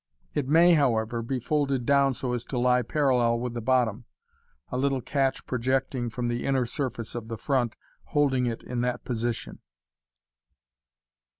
It may, however, be folded down so as to lie parallel with the bottom, a little catch projecting from the inner surface of the front, holding it in that position.